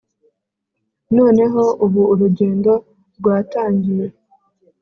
noneho - ubu urugendo rwatangiye!